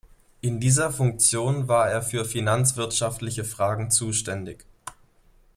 In dieser Funktion war er für finanzwirtschaftliche Fragen zuständig.